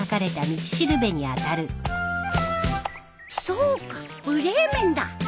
そうかブレーメンだ！